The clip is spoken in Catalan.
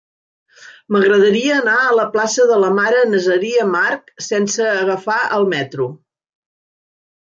M'agradaria anar a la plaça de la Mare Nazaria March sense agafar el metro.